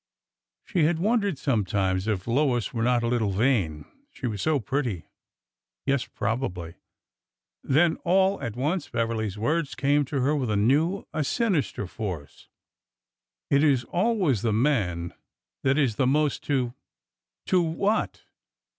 She had wondered, sometimes, if Lois were not a little vain — she was so pretty. Yes, probably— Then, all at once, Beverly's words came to her with a new, a sinister force. It is always the man that is the most to—" To what?